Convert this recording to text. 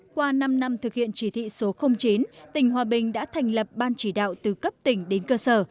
qua năm năm thực hiện chỉ thị số chín tỉnh hòa bình đã thành lập ban chỉ đạo từ cấp tỉnh đến cơ sở